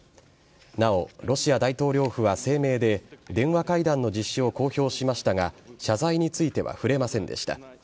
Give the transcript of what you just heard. なお、ロシア大統領府は声明で電話会談の実施を公表しましたが謝罪については触れませんでした。